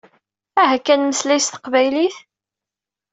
Aha kan mmeslay s teqbaylit!